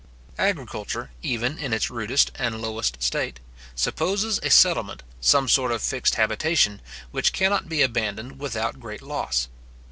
Agriculture, even in its rudest and lowest state, supposes a settlement, some sort of fixed habitation, which cannot be abandoned without great loss.